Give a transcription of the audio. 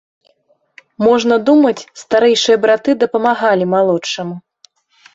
Можна думаць, старэйшыя браты дапамагалі малодшаму.